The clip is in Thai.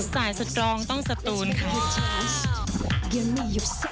สตรองต้องสตูนค่ะ